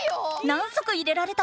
何足入れられた？